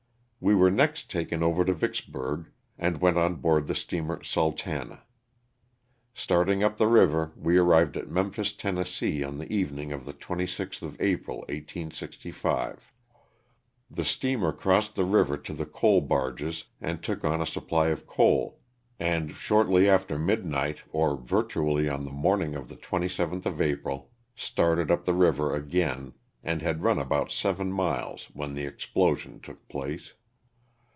We were next taken over to Vicksburg, and went on board the steamer ''Sultana." Starting up the river we arrived at Memphis, Tenn., on the evening of the 26th of April, LOSS OF THE SULTANA. 263 1865. The steamer crossed the river to the coal barges and took on a supply of coal and, shortly after mid night or virtually on the morning of the 27th of April, started up the river again and had run about seven miles when the explosion took place.